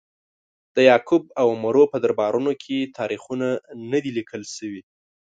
د یعقوب او عمرو په دربارونو کې تاریخونه نه دي لیکل شوي.